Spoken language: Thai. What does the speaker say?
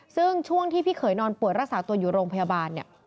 ซึ่งช่วงที่พี่เขยนอนป่วยรักษาตัวอยู่โรงพยาบาลเนี่ย